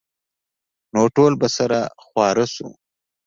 نو ټول به سره خواره سو.